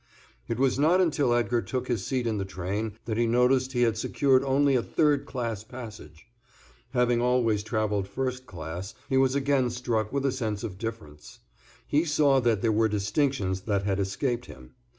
It was not until Edgar took his seat in the train that he noticed he had secured only a third class passage. Having always travelled first class, he was again struck with a sense of difference. He saw there were distinctions that had escaped him.